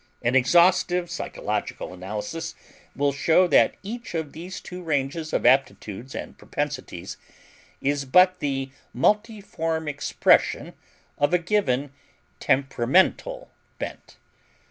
An exhaustive psychological analysis will show that each of these two ranges of aptitudes and propensities is but the multiform expression of a given temperamental bent.